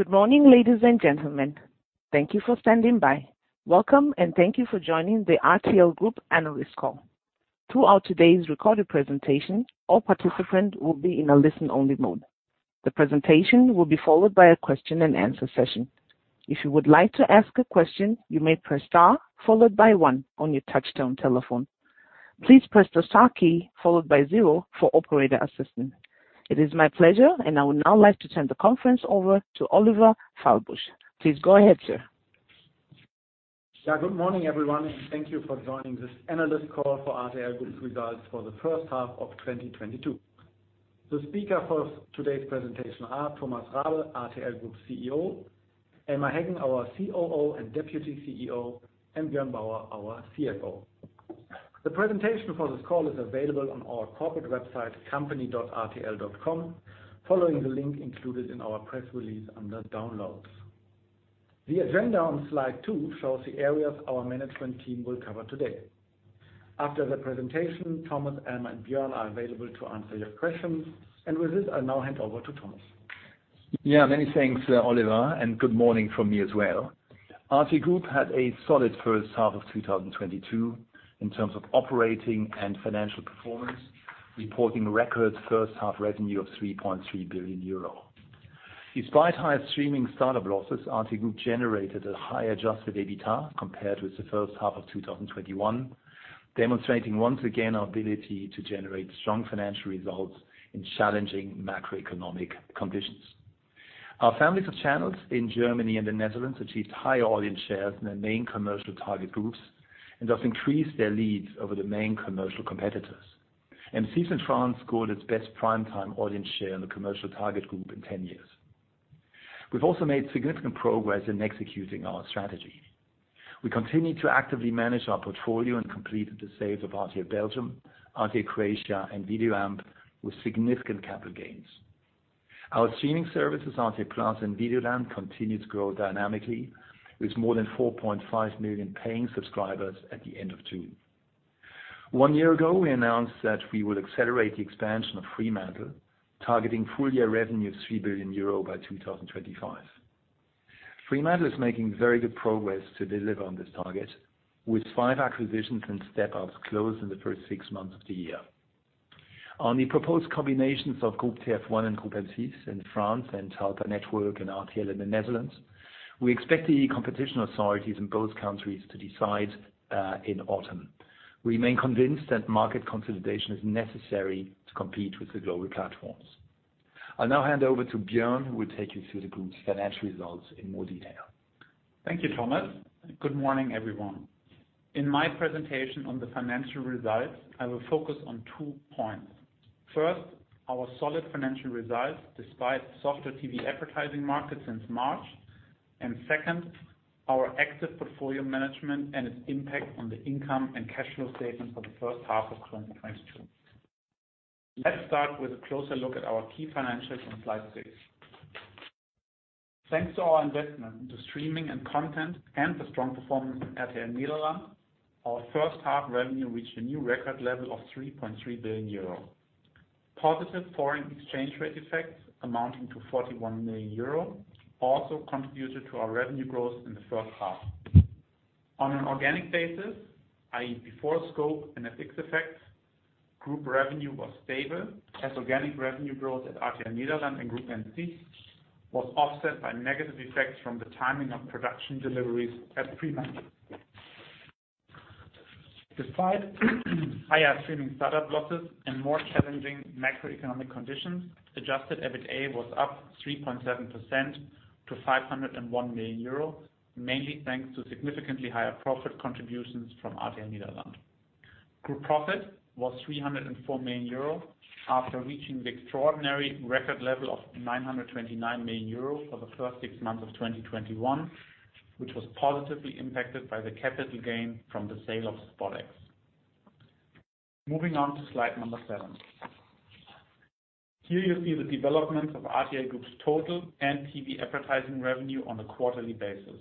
Good morning, ladies and gentlemen. Thank you for standing by. Welcome, and thank you for joining the RTL Group Analyst Call. Throughout today's recorded presentation, all participants will be in a listen-only mode. The presentation will be followed by a question-and-answer session. If you would like to ask a question, you may press star followed by one on your touchtone telephone. Please press the star key followed by zero for operator assistance. It is my pleasure, and I would now like to turn the conference over to Oliver Fahlbusch. Please go ahead, sir. Yeah, good morning, everyone, and thank you for joining this Analyst Call for RTL Group's Results for the First Half of 2022. The speakers for today's presentation are Thomas Rabe, RTL Group CEO, Elmar Heggen, our COO and Deputy CEO, and Björn Bauer, our CFO. The presentation for this call is available on our corporate website, rtl.com, following the link included in our press release under Downloads. The agenda on slide two shows the areas our management team will cover today. After the presentation, Thomas, Elmar, and Björn are available to answer your questions. With this, I'll now hand over to Thomas. Yeah, many thanks, Oliver, and good morning from me as well. RTL Group had a solid first half of 2022 in terms of operating and financial performance, reporting record first half revenue of 3.3 billion euro. Despite higher streaming startup losses, RTL Group generated a higher adjusted EBITA compared with the first half of 2021, demonstrating once again our ability to generate strong financial results in challenging macroeconomic conditions. Our families of channels in Germany and the Netherlands achieved higher audience shares in their main commercial target groups and thus increased their leads over the main commercial competitors. M6 in France scored its best prime time audience share in the commercial target group in 10 years. We've also made significant progress in executing our strategy. We continue to actively manage our portfolio and completed the sales of RTL Belgium, RTL Croatia, and VideoAmp with significant capital gains. Our streaming services, RTL+ and Videoland, continue to grow dynamically, with more than 4.5 million paying subscribers at the end of June. One year ago, we announced that we would accelerate the expansion of Fremantle, targeting full-year revenue of 3 billion euro by 2025. Fremantle is making very good progress to deliver on this target, with five acquisitions and step-ups closed in the first six months of the year. On the proposed combinations of Groupe TF1 and Groupe M6 in France and Talpa Network and RTL in the Netherlands, we expect the competition authorities in both countries to decide in autumn. We remain convinced that market consolidation is necessary to compete with the global platforms. I'll now hand over to Björn, who will take you through the group's financial results in more detail. Thank you, Thomas. Good morning, everyone. In my presentation on the financial results, I will focus on two points. First, our solid financial results despite softer TV advertising market since March, and second, our active portfolio management and its impact on the income and cash flow statement for the first half of 2022. Let's start with a closer look at our key financials on slide six. Thanks to our investment into streaming and content and the strong performance at RTL Nederland, our first half revenue reached a new record level of 3.3 billion euro. Positive foreign exchange rate effects amounting to 41 million euro also contributed to our revenue growth in the first half. On an organic basis, i.e., before scope and FX effects, group revenue was stable as organic revenue growth at RTL Nederland and Groupe M6 was offset by negative effects from the timing of production deliveries at Fremantle. Despite higher streaming startup losses and more challenging macroeconomic conditions, adjusted EBITA was up 3.7% to 501 million euro, mainly thanks to significantly higher profit contributions from RTL Nederland. Group profit was 304 million euro after reaching the extraordinary record level of 929 million euro for the first six months of 2021, which was positively impacted by the capital gain from the sale of SpotX. Moving on to slide seven. Here you see the developments of RTL Group's total and TV advertising revenue on a quarterly basis.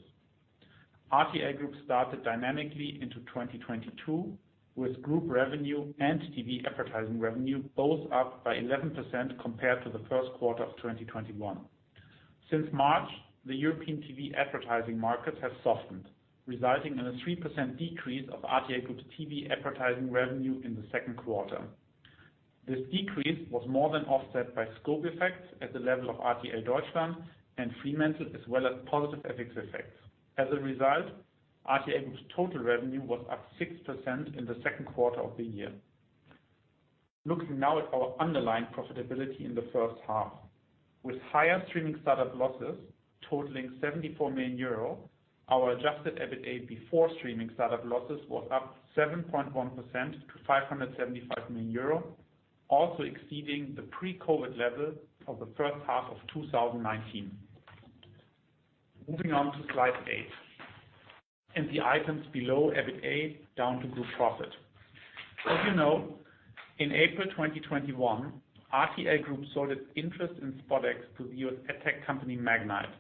RTL Group started dynamically into 2022, with group revenue and TV advertising revenue both up by 11% compared to the first quarter of 2021. Since March, the European TV advertising market has softened, resulting in a 3% decrease of RTL Group's TV advertising revenue in the second quarter. This decrease was more than offset by scope effects at the level of RTL Deutschland and Fremantle, as well as positive FX effects. As a result, RTL Group's total revenue was up 6% in the second quarter of the year. Looking now at our underlying profitability in the first half. With higher streaming startup losses totaling 74 million euro, our adjusted EBITA before streaming startup losses was up 7.1% to 575 million euro, also exceeding the pre-COVID level of the first half of 2019. Moving on to slide eight, and the items below EBITA, down to group profit. As you know, in April 2021, RTL Group sold its interest in SpotX to the U.S. tech company Magnite.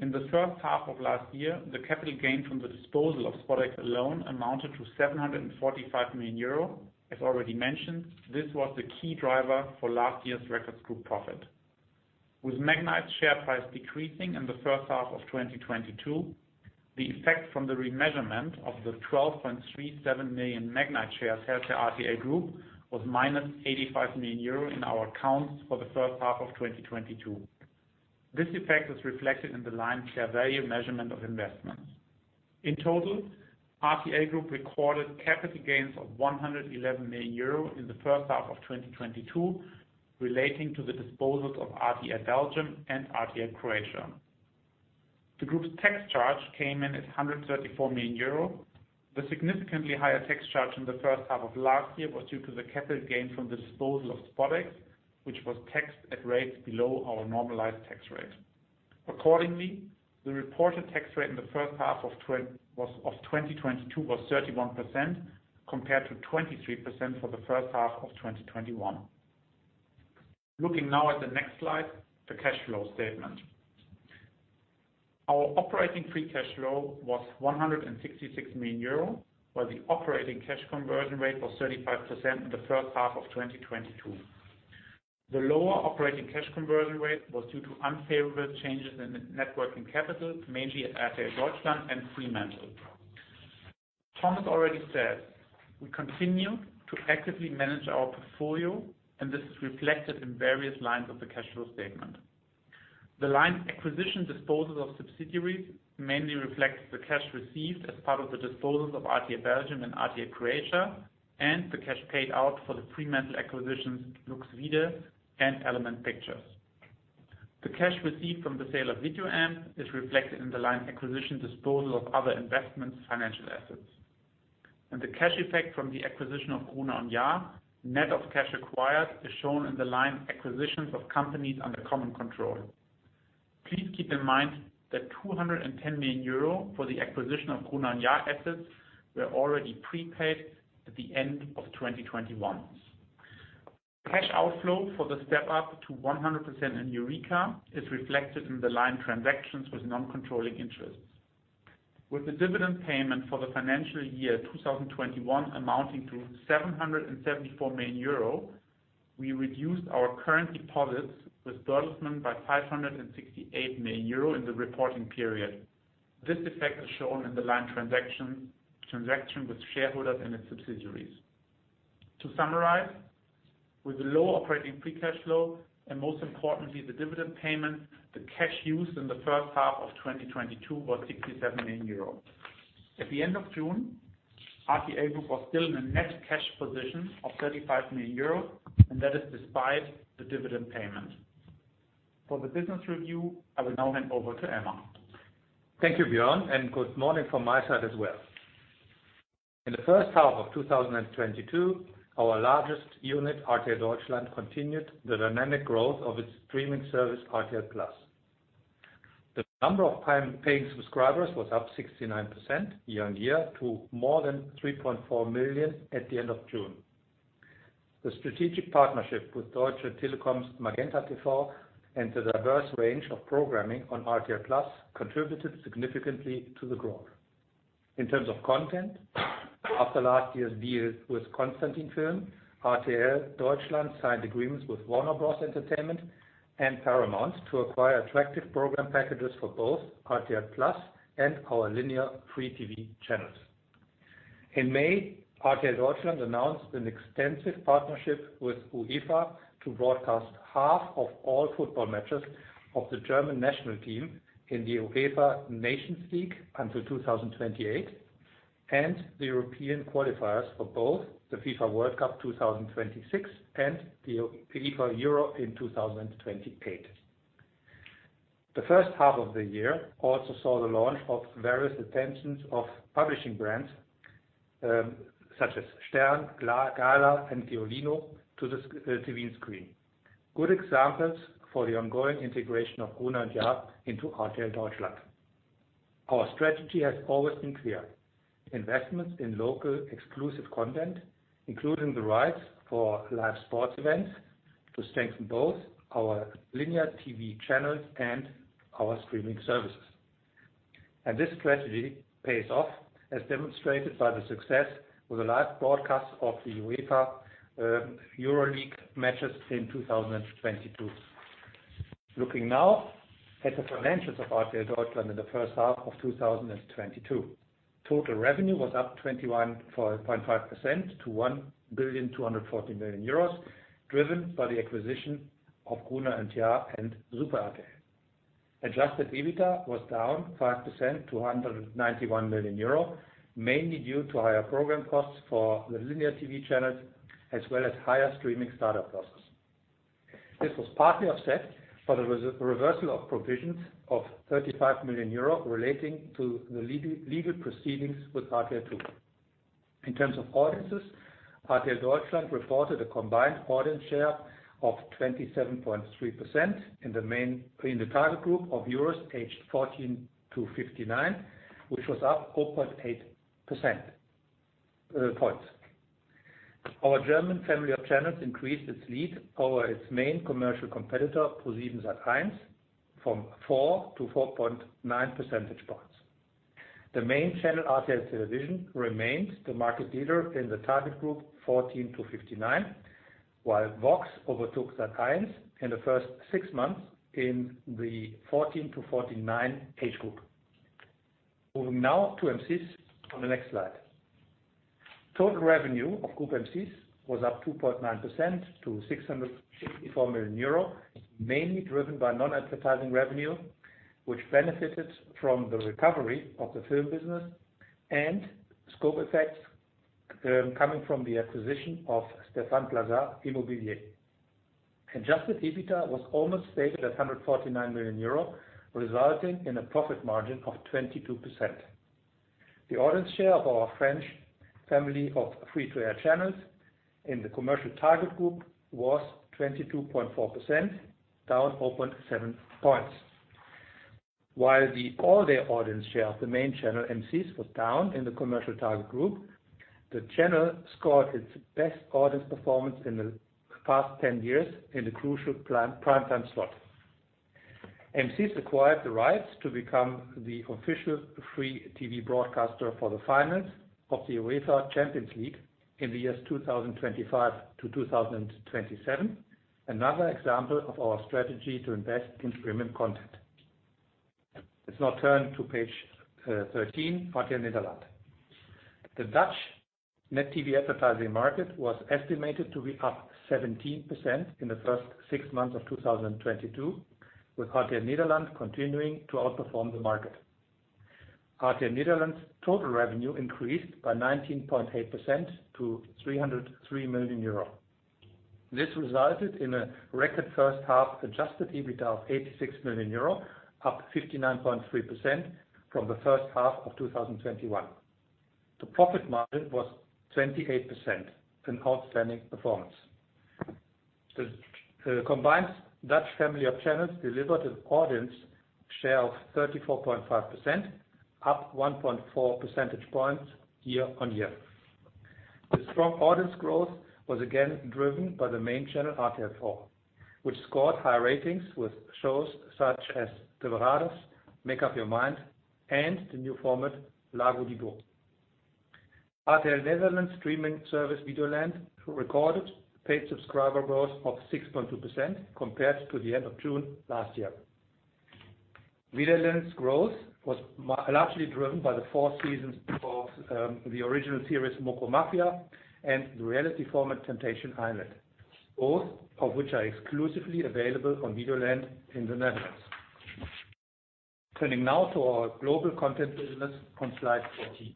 In the first half of last year, the capital gained from the disposal of SpotX alone amounted to 745 million euro. As already mentioned, this was the key driver for last year's record group profit. With Magnite's share price decreasing in the first half of 2022, the effect from the remeasurement of the 12.37 million Magnite shares held to RTL Group was -85 million euro in our accounts for the first half of 2022. This effect is reflected in the line share value measurement of investments. In total, RTL Group recorded capital gains of 111 million euro in the first half of 2022 relating to the disposals of RTL Belgium and RTL Croatia. The group's tax charge came in at 134 million euro. The significantly higher tax charge in the first half of last year was due to the capital gains from the disposal of SpotX, which was taxed at rates below our normalized tax rate. Accordingly, the reported tax rate in the first half of 2022 was 31%, compared to 23% for the first half of 2021. Looking now at the next slide, the cash flow statement. Our operating free cash flow was 166 million euro, while the operating cash conversion rate was 35% in the first half of 2022. The lower operating cash conversion rate was due to unfavorable changes in the net working capital, mainly at RTL Deutschland and Fremantle. Thomas already said, we continue to actively manage our portfolio, and this is reflected in various lines of the cash flow statement. The line acquisition disposal of subsidiaries mainly reflects the cash received as part of the disposals of RTL Belgium and RTL Croatia, and the cash paid out for the Fremantle acquisitions, Lux Vide and Element Pictures. The cash received from the sale of VideoAmp is reflected in the line acquisition disposal of other investments financial assets. The cash effect from the acquisition of Gruner + Jahr, net of cash acquired, is shown in the line acquisitions of companies under common control. Please keep in mind that 210 million euro for the acquisition of Gruner + Jahr assets were already prepaid at the end of 2021. Cash outflow for the step-up to 100% in Eureka is reflected in the line transactions with non-controlling interests. With the dividend payment for the financial year 2021 amounting to 774 million euro, we reduced our current deposits with Bertelsmann by 568 million euro in the reporting period. This effect is shown in the line transaction with shareholders and its subsidiaries. To summarize, with the low operating free cash flow and most importantly, the dividend payment, the cash used in the first half of 2022 was 67 million euros. At the end of June, RTL Group was still in a net cash position of 35 million euros, and that is despite the dividend payment. For the business review, I will now hand over to Elmar. Thank you, Björn, and good morning from my side as well. In the first half of 2022, our largest unit, RTL Deutschland, continued the dynamic growth of its streaming service, RTL+. The number of prime paying subscribers was up 69% year-on-year to more than 3.4 million at the end of June. The strategic partnership with Deutsche Telekom's MagentaTV and the diverse range of programming on RTL+ contributed significantly to the growth. In terms of content, after last year's deal with Constantin Film, RTL Deutschland signed agreements with Warner Bros. Entertainment and Paramount to acquire attractive program packages for both RTL+ and our linear free TV channels. In May, RTL Deutschland announced an extensive partnership with UEFA to broadcast half of all football matches of the German national team in the UEFA Nations League until 2028, and the European qualifiers for both the FIFA World Cup 2026 and the UEFA Euro in 2028. The first half of the year also saw the launch of various extensions of publishing brands, such as Stern, GALA, and GEOLINO to the TV screen. Good examples for the ongoing integration of Gruner + Jahr into RTL Deutschland. Our strategy has always been clear. Investments in local exclusive content, including the rights for live sports events, to strengthen both our linear TV channels and our streaming services. This strategy pays off, as demonstrated by the success with the live broadcast of the UEFA Europa League matches in 2022. Looking now at the financials of RTL Deutschland in the first half of 2022. Total revenue was up 21.5% to 1.240 billion, driven by the acquisition of Gruner + Jahr and Super RTL. Adjusted EBITDA was down 5% to 191 million euro, mainly due to higher program costs for the linear TV channels, as well as higher streaming startup costs. This was partly offset by the reversal of provisions of 35 million euro relating to the legal proceedings with RTL II. In terms of audiences, RTL Deutschland reported a combined audience share of 27.3% in the target group of viewers aged 14–59, which was up 4.8 percentage points. Our German family of channels increased its lead over its main commercial competitor, ProSiebenSat.1, from four to 4.9 percentage points. The main channel, RTL Television, remains the market leader in the target group 14–59, while VOX overtook Sat.1 in the first six months in the 14–49 age group. Moving now to M6 on the next slide. Total revenue of Groupe M6 was up 2.9% to 664 million euro, mainly driven by non-advertising revenue, which benefited from the recovery of the film business and scope effects, coming from the acquisition of Stéphane Plaza Immobilier. Adjusted EBITA was almost stated at 149 million euro, resulting in a profit margin of 22%. The audience share of our French family of free-to-air channels in the commercial target group was 22.4%, down 0.7 points. While the all-day audience share of the main channel, M6, was down in the commercial target group, the channel scored its best audience performance in the past 10 years in the crucial prime-time slot. M6 acquired the rights to become the official free TV broadcaster for the finals of the UEFA Champions League in the years 2025–2027, another example of our strategy to invest in premium content. Let's now turn to page 13, RTL Nederland. The Dutch net TV advertising market was estimated to be up 17% in the first six months of 2022, with RTL Nederland continuing to outperform the market. RTL Nederland's total revenue increased by 19.8% to 303 million euro. This resulted in a record first half adjusted EBITA of 86 million euro, up 59.3% from the first half of 2021. The profit margin was 28%, an outstanding performance. The combined Dutch family of channels delivered an audience share of 34.5%, up 1.4 percentage points year-on-year. The strong audience growth was again driven by the main channel, RTL 4, which scored high ratings with shows such as De Verraders, Make Up Your Mind, and the new format, Lage Landen. RTL Nederland streaming service Videoland recorded paid subscriber growth of 6.2% compared to the end of June last year. Videoland's growth was largely driven by the four seasons of the original series Mocro Maffia and the reality format Temptation Island, both of which are exclusively available on Videoland in the Netherlands. Turning now to our global content business on slide 14.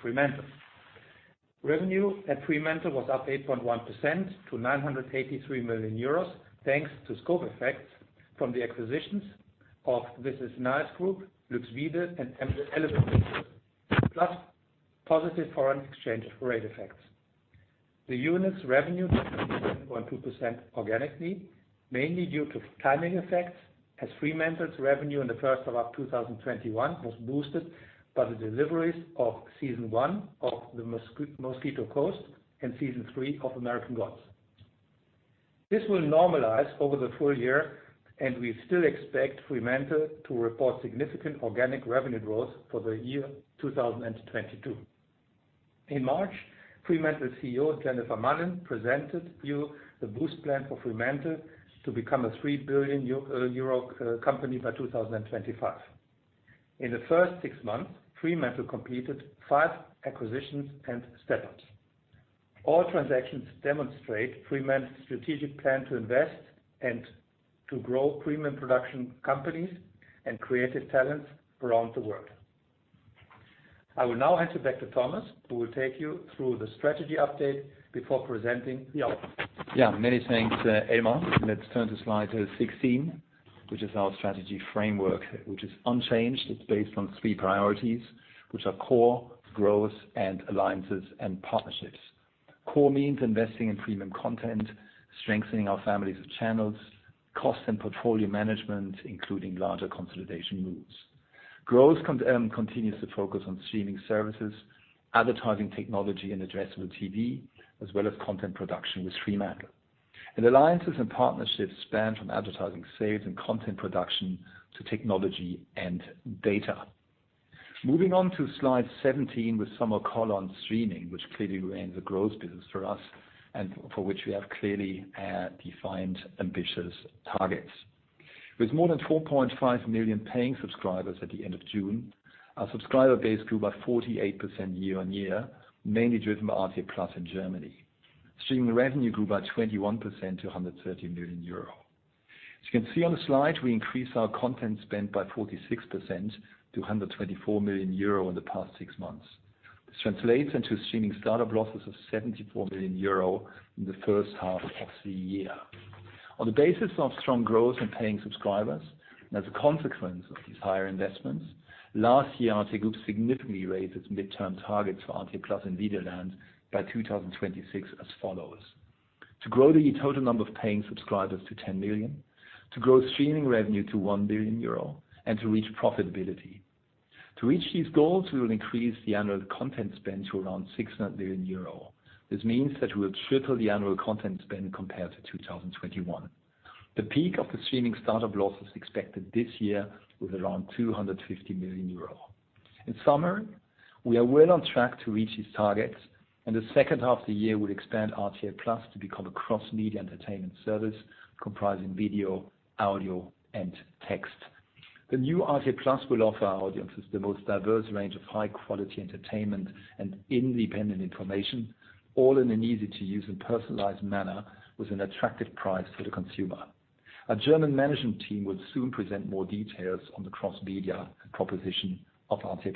Fremantle. Revenue at Fremantle was up 8.1% to 983 million euros, thanks to scope effects from the acquisitions of This is Nice Group, Lux Vide, and Element Pictures, plus positive foreign exchange rate effects. The unit's revenue dropped 3.2% organically, mainly due to timing effects, as Fremantle's revenue in the first half of 2021 was boosted by the deliveries of Season One of The Mosquito Coast and Season Three of American Gods. This will normalize over the full year, and we still expect Fremantle to report significant organic revenue growth for the year 2022. In March, Fremantle CEO Jennifer Mullin presented you the boost plan for Fremantle to become a 3 billion euro company by 2025. In the first six months, Fremantle completed five acquisitions and step-ups. All transactions demonstrate Fremantle's strategic plan to invest and to grow premium production companies and creative talents around the world. I will now hand it back to Thomas, who will take you through the strategy update before presenting the offer. Yeah, many thanks, Elmar. Let's turn to slide 16, which is our strategy framework, which is unchanged. It's based on three priorities, which are core, growth, and alliances and partnerships. Core means investing in premium content, strengthening our families of channels, cost and portfolio management, including larger consolidation moves. Growth continues to focus on streaming services, advertising technology, and addressable TV, as well as content production with Fremantle. Alliances and partnerships span from advertising, sales and content production to technology and data. Moving on to slide 17, with some color on streaming, which clearly remains a growth business for us and for which we have clearly defined ambitious targets. With more than 4.5 million paying subscribers at the end of June, our subscriber base grew by 48% year-on-year, mainly driven by RTL+ in Germany. Streaming revenue grew by 21% to 130 million euro. As you can see on the slide, we increased our content spend by 46% to 124 million euro in the past six months. This translates into streaming startup losses of 74 million euro in the first half of the year. On the basis of strong growth in paying subscribers, and as a consequence of these higher investments, last year, RTL Group significantly raised its midterm targets for RTL+ and Videoland by 2026 as follows. To grow the total number of paying subscribers to 10 million, to grow streaming revenue to 1 billion euro, and to reach profitability. To reach these goals, we will increase the annual content spend to around 600 million euro. This means that we will triple the annual content spend compared to 2021. The peak of the streaming start of loss is expected this year with around 250 million euros. In summary, we are well on track to reach these targets, and the second half of the year will expand RTL+ to become a cross-media entertainment service comprising video, audio, and text. The new RTL+ will offer our audiences the most diverse range of high quality entertainment and independent information, all in an easy to use and personalized manner, with an attractive price for the consumer. A German management team will soon present more details on the cross-media proposition of RTL+.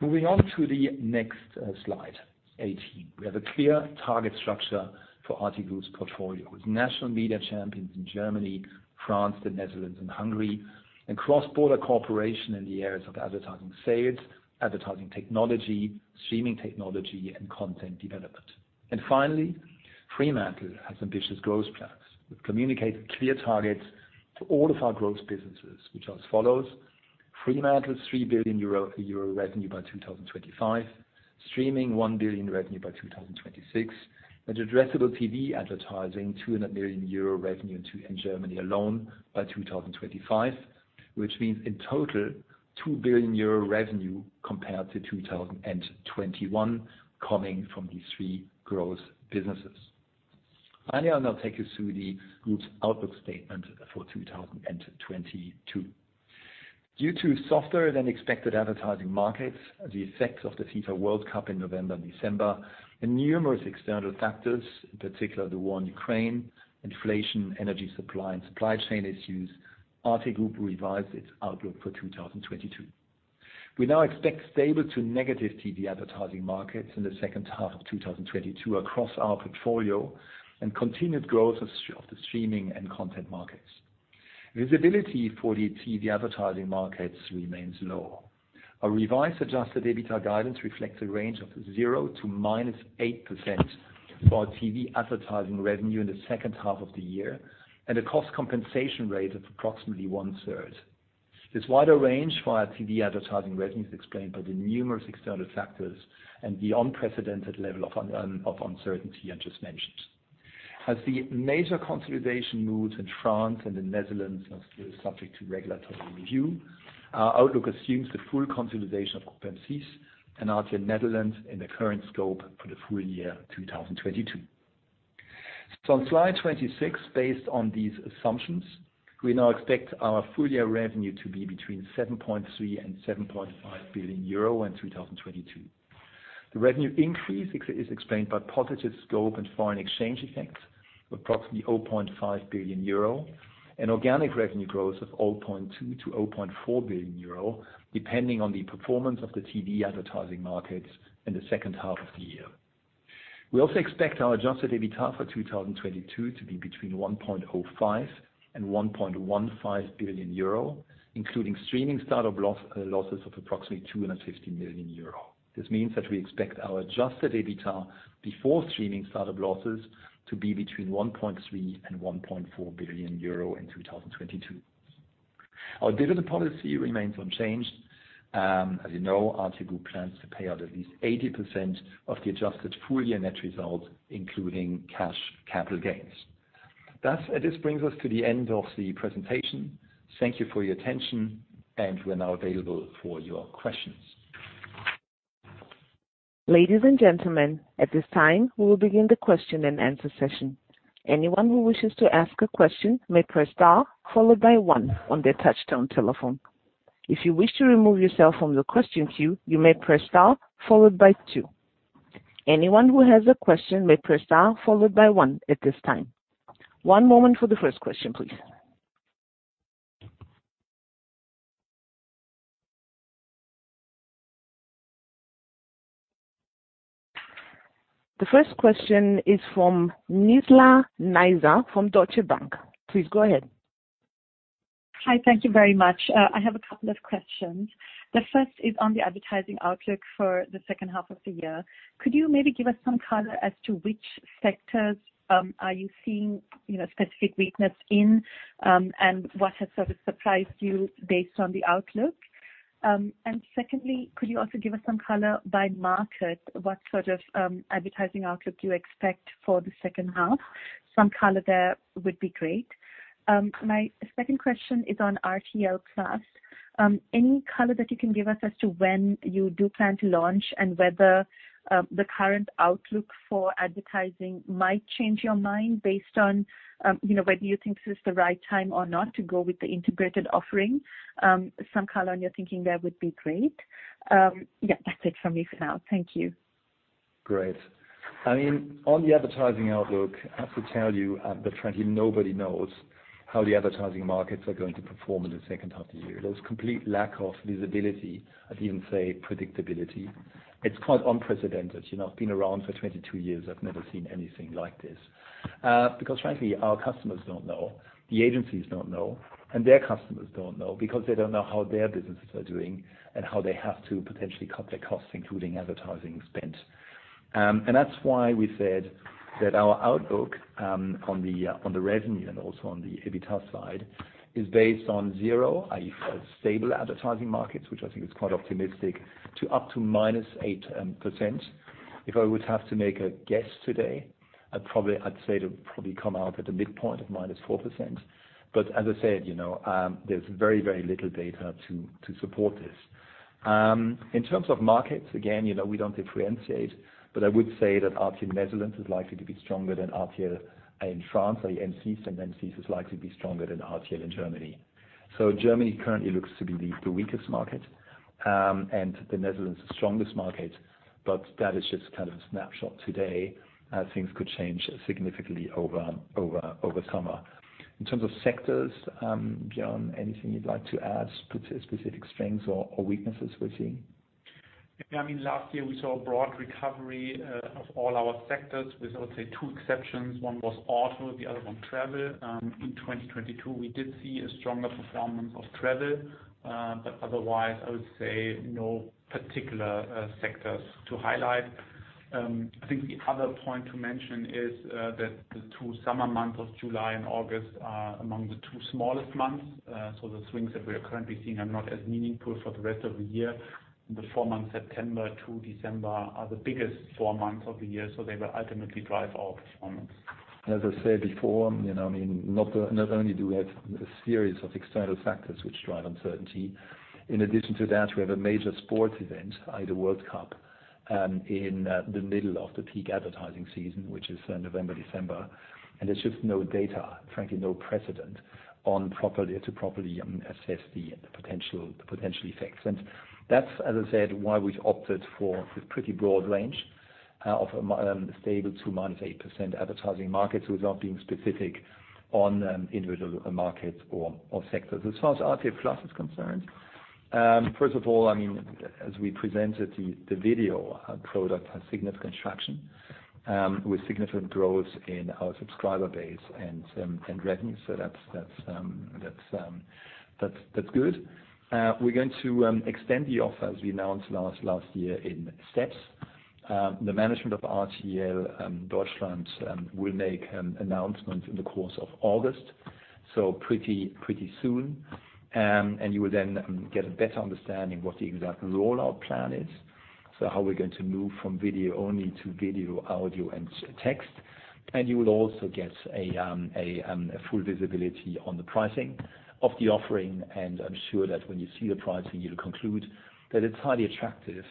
Moving on to the next, slide, 18. We have a clear target structure for RTL Group's portfolio with national media champions in Germany, France, the Netherlands and Hungary, and cross-border cooperation in the areas of advertising sales, advertising technology, streaming technology, and content development. Finally, Fremantle has ambitious growth plans. We've communicated clear targets to all of our growth businesses, which are as follows: Fremantle, 3 billion euro revenue by 2025. Streaming, 1 billion revenue by 2026. And addressable TV advertising, 200 million euro revenue in Germany alone by 2025. Which means in total, 2 billion euro revenue compared to 2021 coming from these three growth businesses. Finally, I'll now take you through the group's outlook statement for 2022. Due to softer than expected advertising markets, the effects of the FIFA World Cup in November and December, and numerous external factors, in particular the war in Ukraine, inflation, energy supply, and supply chain issues, RTL Group revised its outlook for 2022. We now expect stable to negative TV advertising markets in the second half of 2022 across our portfolio and continued growth of the streaming and content markets. Visibility for the TV advertising markets remains low. Our revised adjusted EBITA guidance reflects a range of 0% to -8% for our TV advertising revenue in the second half of the year, and a cost compensation rate of approximately one-third. This wider range for our TV advertising revenue is explained by the numerous external factors and the unprecedented level of uncertainty I just mentioned. As the major consolidation moves in France and the Netherlands are subject to regulatory review, our outlook assumes the full consolidation of Groupe M6 and RTL Nederland in the current scope for the full year 2022. On slide 26, based on these assumptions, we now expect our full-year revenue to be between 7.3 billion and 7.5 billion euro in 2022. The revenue increase is explained by positive scope and foreign exchange effects of approximately 500 million euro and organic revenue growth of 200 million-400 million euro, depending on the performance of the TV advertising markets in the second half of the year. We also expect our adjusted EBITA for 2022 to be between 1.05 billion and 1.15 billion euro, including streaming startup losses of approximately 250 million euro. This means that we expect our adjusted EBITA before streaming start-up losses to be between 1.3 billion and 1.4 billion euro in 2022. Our dividend policy remains unchanged. As you know, RTL Group plans to pay out at least 80% of the adjusted full-year net results, including cash capital gains. Thus, this brings us to the end of the presentation. Thank you for your attention, and we're now available for your questions. Ladies and gentlemen, at this time, we will begin the question and answer session. Anyone who wishes to ask a question may press star followed by one on their touchtone telephone. If you wish to remove yourself from the question queue, you may press star followed by two. Anyone who has a question may press star followed by one at this time. One moment for the first question, please. The first question is from Nizla Naizer from Deutsche Bank. Please go ahead. Hi. Thank you very much. I have a couple of questions. The first is on the advertising outlook for the second half of the year. Could you maybe give us some color as to which sectors are you seeing, you know, specific weakness in, and what has sort of surprised you based on the outlook? And secondly, could you also give us some color by market, what sort of advertising outlook do you expect for the second half? Some color there would be great. My second question is on RTL+. Any color that you can give us as to when you do plan to launch and whether the current outlook for advertising might change your mind based on, you know, whether you think this is the right time or not to go with the integrated offering. Some color on your thinking there would be great. Yeah, that's it from me for now. Thank you. Great. I mean, on the advertising outlook, I have to tell you, but frankly, nobody knows how the advertising markets are going to perform in the second half of the year. There's complete lack of visibility, I'd even say predictability. It's quite unprecedented. You know, I've been around for 22 years, I've never seen anything like this. Because frankly, our customers don't know, the agencies don't know, and their customers don't know because they don't know how their businesses are doing and how they have to potentially cut their costs, including advertising spend. That's why we said that our outlook on the revenue and also on the EBITA side is based on zero, i.e., a stable advertising market, which I think is quite optimistic, to up to -8%. If I would have to make a guess today, I'd say to probably come out at the midpoint of -4%. But as I said, you know, there's very, very little data to support this. In terms of markets, again, you know, we don't differentiate, but I would say that RTL Nederland is likely to be stronger than RTL in France, i.e., M6, and M6 is likely to be stronger than RTL Deutschland. Germany currently looks to be the weakest market, and the Netherlands the strongest market, but that is just kind of a snapshot today, things could change significantly over summer. In terms of sectors, Björn, anything you'd like to add, specific strengths or weaknesses we're seeing? Yeah, I mean, last year we saw a broad recovery of all our sectors with, I would say, two exceptions. One was auto, the other one travel. In 2022, we did see a stronger performance of travel, but otherwise, I would say no particular sectors to highlight. I think the other point to mention is that the two summer months of July and August are among the two smallest months. So the swings that we are currently seeing are not as meaningful for the rest of the year. The four months September to December are the biggest four months of the year, so they will ultimately drive our performance. As I said before, you know, I mean, not only do we have a series of external factors which drive uncertainty, in addition to that, we have a major sports event, i.e., the World Cup, in the middle of the peak advertising season, which is November, December. There's just no data, frankly, no precedent to properly assess the potential effects. That's, as I said, why we've opted for the pretty broad range of stable to -8% advertising markets without being specific on individual markets or sectors. As far as RTL+ is concerned, first of all, I mean, as we presented the video, our product has significant traction with significant growth in our subscriber base and revenue. That's good. We're going to extend the offer, as we announced last year in steps. The management of RTL Deutschland will make an announcement in the course of August, so pretty soon. You will then get a better understanding what the exact rollout plan is. How we're going to move from video only to video, audio, and text. You will also get a full visibility on the pricing of the offering, and I'm sure that when you see the pricing, you'll conclude that it's highly attractive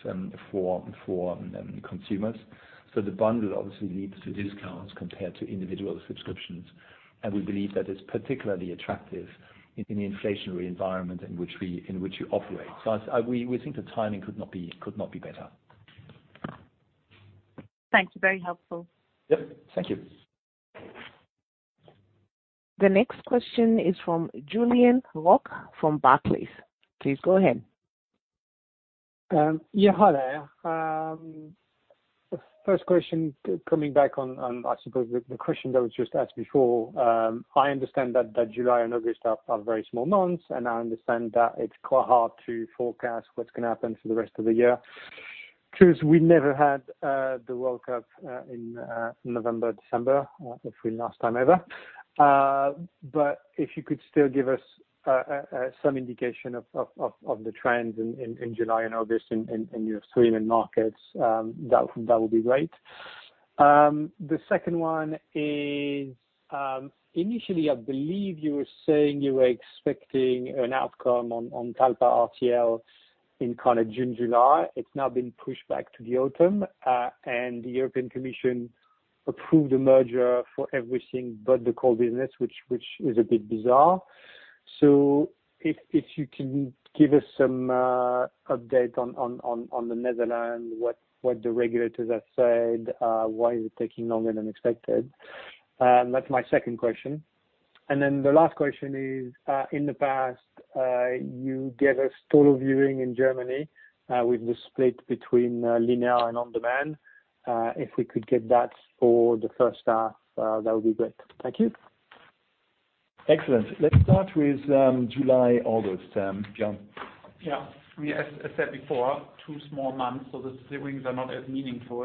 for consumers. The bundle obviously leads to discounts compared to individual subscriptions, and we believe that it's particularly attractive in the inflationary environment in which we operate. We think the timing could not be better. Thanks. Very helpful. Yep. Thank you. The next question is from Julien Roch from Barclays. Please go ahead. Hi there. The first question coming back on, I suppose, the question that was just asked before. I understand that July and August are very small months, and I understand that it's quite hard to forecast what's gonna happen for the rest of the year. Truthfully, we never had the World Cup in November, December, as the last time ever. If you could still give us some indication of the trends in July and August in your streaming markets, that would be great. The second one is, initially, I believe you were saying you were expecting an outcome on Talpa RTL in kind of June, July. It's now been pushed back to the autumn, and the European Commission approved the merger for everything but the core business, which is a bit bizarre. If you can give us some update on the Netherlands, what the regulators have said, why is it taking longer than expected? That's my second question. The last question is, in the past, you gave us total viewing in Germany, with the split between linear and on-demand. If we could get that for the first half, that would be great. Thank you. Excellent. Let's start with July, August, Björn. Yeah. I said before, two small months, so the swings are not as meaningful.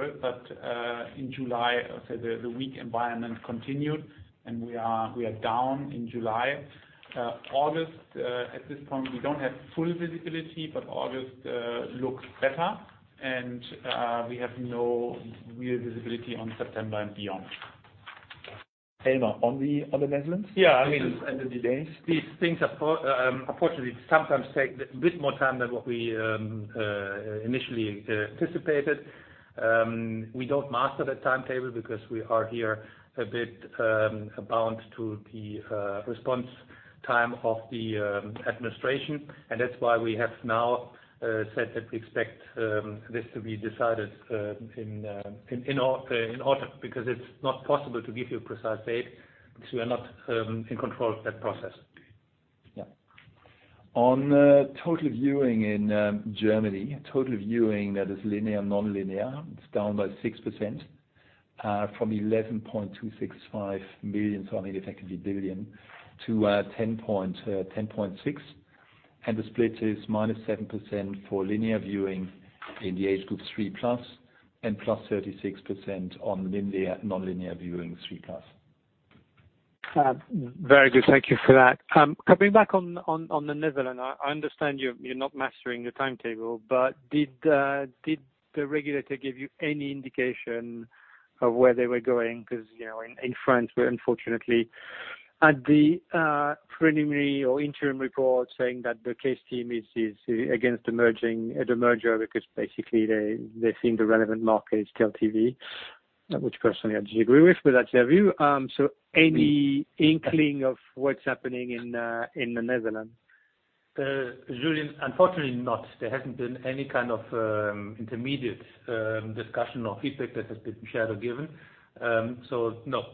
In July, I said the weak environment continued, and we are down in July. August, at this point, we don't have full visibility, but August looks better. We have no real visibility on September and beyond. Elmar, on the Netherlands? Yeah, I mean. The delays. These things are, unfortunately, sometimes take a bit more time than what we initially anticipated. We don't master the timetable because we are here a bit bound to the response time of the administration. That's why we have now said that we expect this to be decided in autumn, because it's not possible to give you a precise date, because we are not in control of that process. Yeah. On total viewing in Germany, total viewing, that is linear and nonlinear, it's down by 6% from 11.265 million, so I mean effectively billion, to 10.6 million. And the split is -7% for linear viewing in the age group 3+, and +36% on linear, nonlinear viewing 3+. Very good. Thank you for that. Coming back on the Netherlands, I understand you're not mastering the timetable, but did the regulator give you any indication of where they were going? Because, you know, in France, we're unfortunately, at the preliminary or interim report, saying that the case team is against the merger, because basically, they think the relevant market is still TV, which personally I disagree with, but that's their view. So any inkling of what's happening in the Netherlands? Julien, unfortunately not. There hasn't been any kind of intermediate discussion or feedback that has been shared or given. No.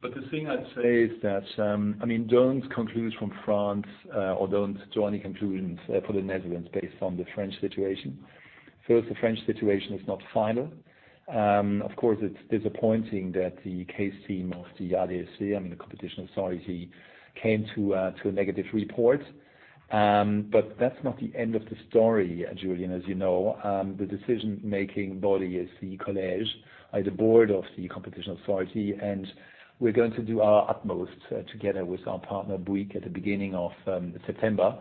The thing I'd say is that, I mean, don't conclude from France, or don't draw any conclusions for the Netherlands based on the French situation. First, the French situation is not final. Of course, it's disappointing that the case team of the ADLC, I mean, the competition authority came to a negative report. That's not the end of the story, Julien, as you know. The decision-making body is the college, the board of the competition authority, and we're going to do our utmost, together with our partner, Bouygues, at the beginning of September,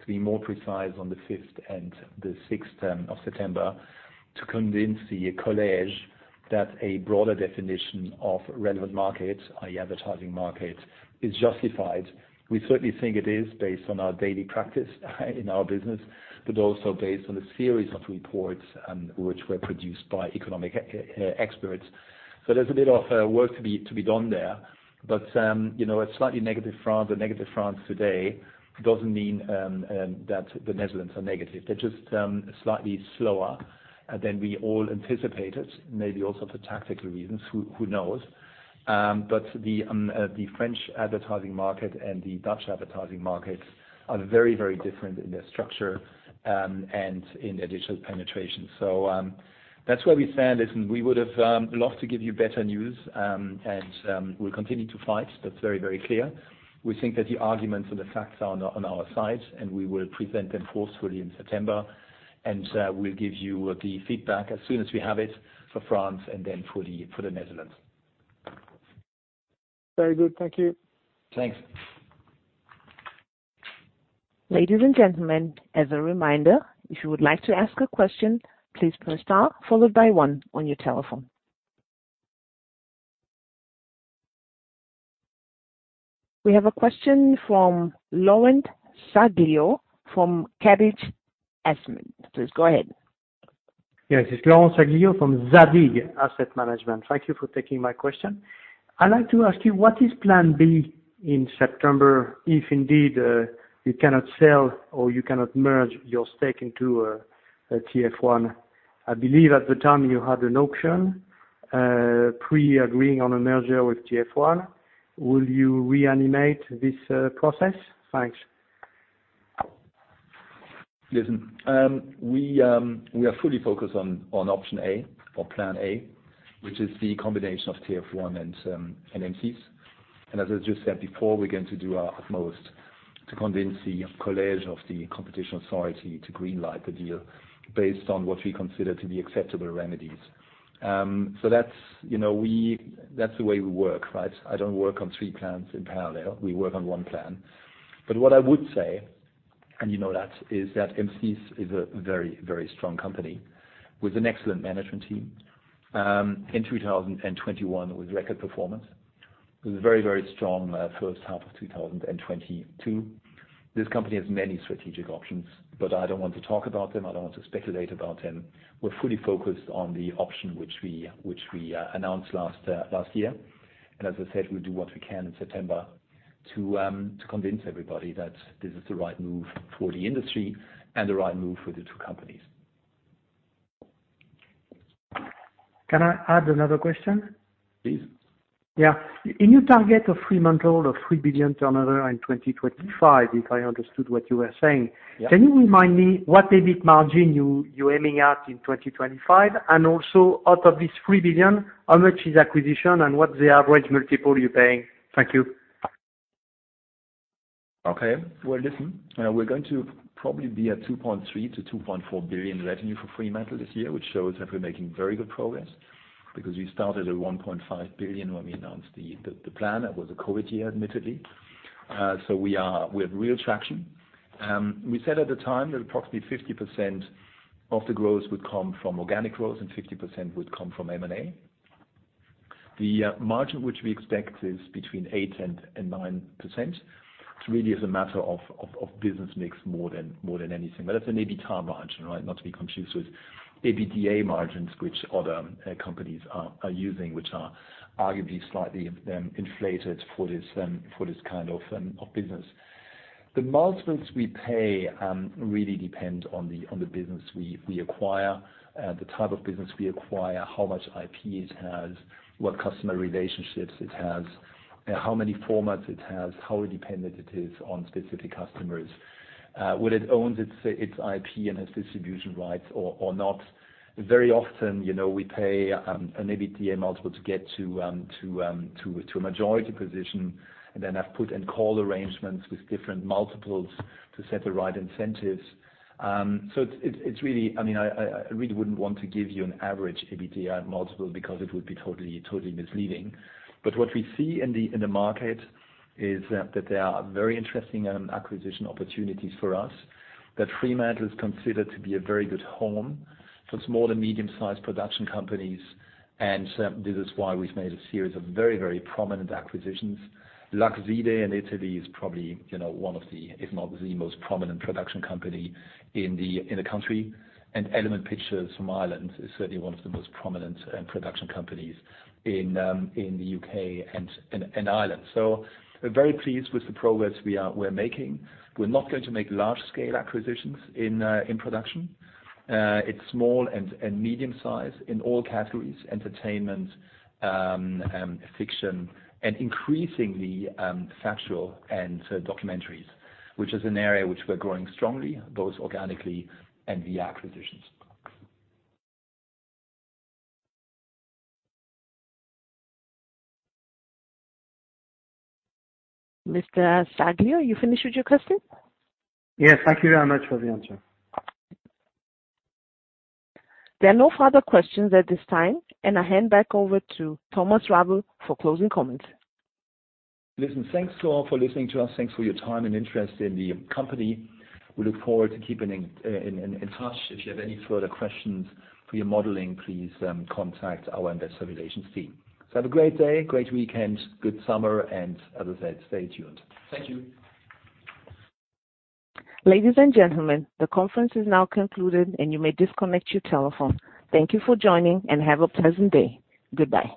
to be more precise on the fifth and the sixth of September, to convince the college that a broader definition of relevant market, i.e. advertising market is justified. We certainly think it is based on our daily practice in our business, but also based on a series of reports, which were produced by economic experts. There's a bit of work to be done there. You know, a slightly negative France today doesn't mean that the Netherlands are negative. They're just slightly slower than we all anticipated, maybe also for tactical reasons, who knows. The French advertising market and the Dutch advertising market are very, very different in their structure and in their digital penetration. That's where we stand. Listen, we would have loved to give you better news, and we'll continue to fight. That's very, very clear. We think that the arguments and the facts are on our side, and we will present them forcefully in September. We'll give you the feedback as soon as we have it for France and then for the Netherlands. Very good. Thank you. Thanks. Ladies and gentlemen, as a reminder, if you would like to ask a question, please press star followed by one on your telephone. We have a question from Laurent Saglio from Zadig Asset Management. Please go ahead. Yes, it's Laurent Saglio from Zadig Asset Management. Thank you for taking my question. I'd like to ask you, what is plan B in September, if indeed, you cannot sell or you cannot merge your stake into, TF1? I believe at the time you had an option, pre-agreeing on a merger with TF1. Will you reanimate this, process? Thanks. Listen, we are fully focused on option A or plan A, which is the combination of TF1 and M6's. As I just said before, we're going to do our utmost to convince the Collège of the Autorité de la concurrence to green light the deal based on what we consider to be acceptable remedies. So that's, you know, that's the way we work, right? I don't work on three plans in parallel. We work on one plan. What I would say, and you know that, is that M6's is a very strong company with an excellent management team in 2021 with record performance. It was a very strong first half of 2022. This company has many strategic options, but I don't want to talk about them. I don't want to speculate about them. We're fully focused on the option which we announced last year. As I said, we'll do what we can in September to convince everybody that this is the right move for the industry and the right move for the two companies. Can I add another question? Please. Yeah. In your target for Fremantle of 3 billion turnover in 2025, if I understood what you were saying? Yeah. Can you remind me what EBIT margin you're aiming at in 2025? Also, out of this 3 billion, how much is acquisition and what's the average multiple you're paying? Thank you. Okay. Well, listen, we're going to probably be at 2.3 billion-2.4 billion revenue for Fremantle this year, which shows that we're making very good progress because we started at 1.5 billion when we announced the plan. That was a COVID year, admittedly. We have real traction. We said at the time that approximately 50% of the growth would come from organic growth and 50% would come from M&A. The margin which we expect is between 8% and 9%. It's really as a matter of business mix more than anything. That's an EBITA margin, right? Not to be confused with EBITDA margins, which other companies are using, which are arguably slightly inflated for this kind of business. The multiples we pay really depend on the business we acquire, the type of business we acquire, how much IP it has, what customer relationships it has, how many formats it has, how dependent it is on specific customers, whether it owns its IP and its distribution rights or not. Very often, you know, we pay an EBITA multiple to get to a majority position, and then have put and call arrangements with different multiples to set the right incentives. It's really, I mean, I really wouldn't want to give you an average EBITA multiple because it would be totally misleading. What we see in the market is that there are very interesting acquisition opportunities for us. That Fremantle is considered to be a very good home for small to medium-sized production companies. This is why we've made a series of very, very prominent acquisitions. Lux Vide in Italy is probably, you know, one of the, if not the most prominent production company in the country. Element Pictures from Ireland is certainly one of the most prominent production companies in the UK and Ireland. We're very pleased with the progress we're making. We're not going to make large-scale acquisitions in production.It's small and medium sized in all categories, entertainment, fiction and increasingly, factual and documentaries, which is an area which we're growing strongly, both organically and via acquisitions. Mr. Saglio, are you finished with your question? Yes. Thank you very much for the answer. There are no further questions at this time, and I hand back over to Thomas Rabe for closing comments. Listen, thanks all for listening to us. Thanks for your time and interest in the company. We look forward to keeping in touch. If you have any further questions for your modeling, please contact our investor relations team. Have a great day, great weekend, good summer. As I said, stay tuned. Thank you. Ladies and gentlemen, the conference is now concluded and you may disconnect your telephone. Thank you for joining, and have a pleasant day. Goodbye.